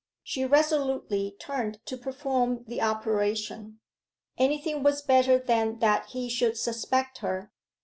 She resolutely turned to perform the operation: anything was better than that he should suspect her.